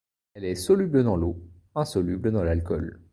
Elle est soluble dans l'eau, insoluble dans l'alcool.